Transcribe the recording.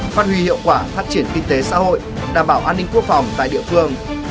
phát huy hiệu quả phát triển kinh tế xã hội đảm bảo an ninh quốc phòng tại địa phương